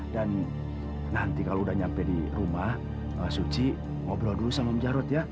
dan nanti kalau udah nyampe di rumah suci ngobrol dulu sama om jarod ya